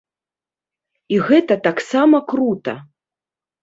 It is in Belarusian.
І гэта таксама крута!